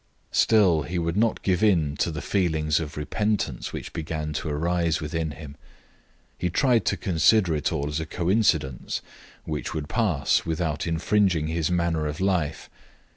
Still he would not give in to the feelings of repentance which began to arise within him. He tried to consider it all as a coincidence, which would pass without infringing his manner of life.